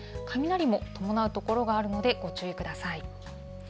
雷も伴うところがあるので、ご注意ください。